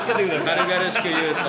軽々しく言うと。